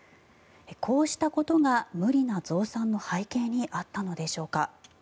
こうしたことが無理な増産の背景にあったのでしょうか。